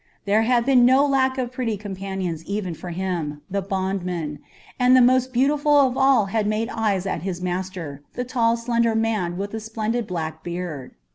There had been no lack of pretty companions even for him, the bondman, and the most beautiful of all had made eyes at his master, the tall, slender man with the splendid black beard.